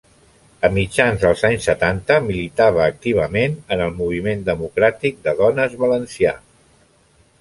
A mitjans els anys setanta militava activament en el Moviment Democràtic de Dones valencià.